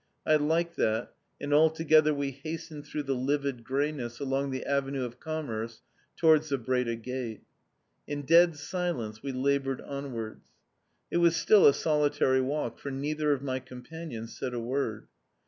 I liked that, and all together we hastened through the livid greyness along the Avenue de Commerce, towards the Breda Gate. In dead silence we laboured onwards. It was still a solitary walk, for neither of my companions said a word.